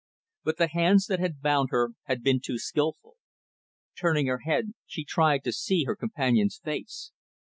But the hands that had bound her had been too skillful. Turning her head, she tried to see her companion's face.